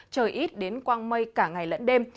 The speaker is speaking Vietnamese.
trời ít đến quang mây cả ngày lẫn đêm